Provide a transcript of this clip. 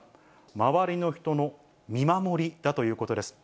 周りの人の見守りだということです。